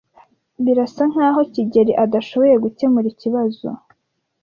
Birasa nkaho kigeli adashoboye gukemura ikibazo.